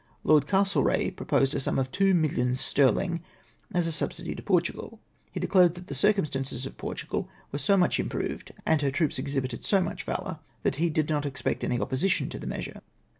Lord Castlereagh proposed a sum of two millions sterling as a subsidy to Portugal. He declared that the cu"cum stances of Portugal were so much improved, and her troops exhibited so much valour, that he did not expect any opposition to the measure.